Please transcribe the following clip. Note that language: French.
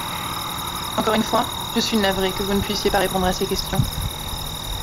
Encore une fois, je suis navrée que vous ne puissiez pas répondre à ces questions.